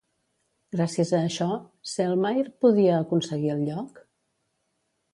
Gràcies a això, Selmayr podia aconseguir el lloc?